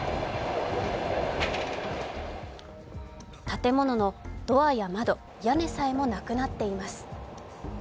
建物のドアや窓、屋根さえもなくなっています。